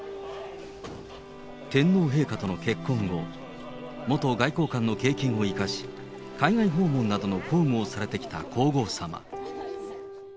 天皇陛下との結婚後、元外交官の経験を活かし、海外訪問などの公務をされてきた皇后さま。